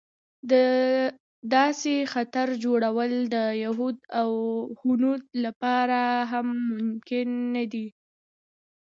د داسې خطر جوړول د یهود او هنود لپاره هم ممکن نه دی.